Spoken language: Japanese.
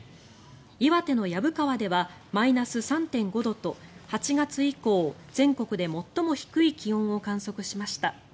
岩手の薮川ではマイナス３．５度と８月以降、全国で最も低い気温を観測しました。